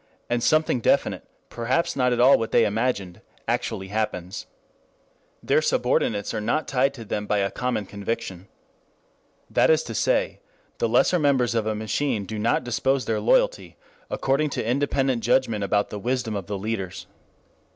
And something definite, perhaps not at all what they imagined, actually happens. Their subordinates are not tied to them by a common conviction. That is to say the lesser members of a machine do not dispose their loyalty according to independent judgment about the wisdom of the leaders.